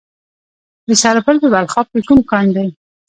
د سرپل په بلخاب کې کوم کان دی؟